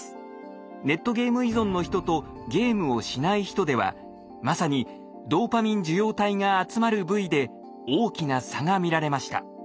ネットゲーム依存の人とゲームをしない人ではまさにドーパミン受容体が集まる部位で大きな差が見られました。